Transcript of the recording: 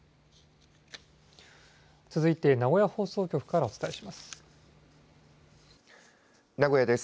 続いて名古屋放送局からお伝えします。